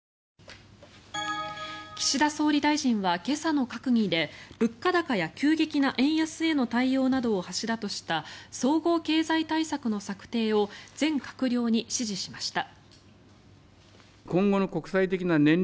岸田総理大臣は今朝の閣議で物価高や急激な円安への対応などを柱とした総合経済対策の策定を全閣僚に指示しました。